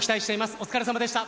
お疲れさまでした。